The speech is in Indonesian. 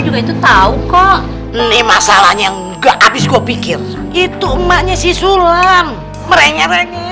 juga itu tahu kok ini masalahnya enggak abis kukikir itu emaknya sisulang merengge renge